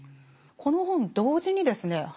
この本同時にですね